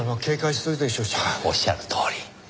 おっしゃるとおり。